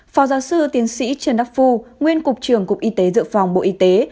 phó giáo sư tiến sĩ trần đắc phu nguyên cục trưởng cục y tế dự phòng bộ y tế